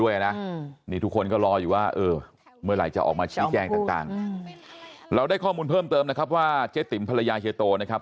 ว่าเจ๊ติ่มพระยาเฮียโตนะครับ